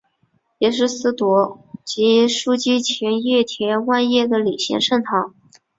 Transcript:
也是司铎级枢机前田万叶的领衔圣堂。